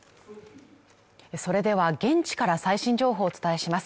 それでは現地から最新情報をお伝えします